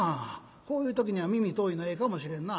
こういう時には耳遠いのええかもしれんな。